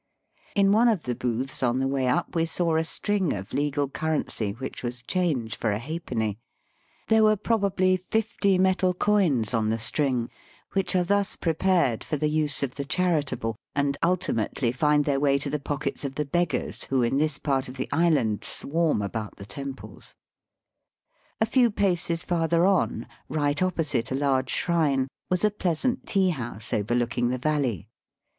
In one of the booths on the way up we saw a string of legal currency which was change for a halfpenny. There were probably fifty metal coins on the string, which are thus prepared Digitized by VjOOQIC 80 EAST BY WEST. for the use of the charitable, and ultimately find their way to the pockets of the beggars who in this part of the island swarm about the temples. A few paces farther on, right opposite a large shrine, was a pleasant tea house, overlooking the valley.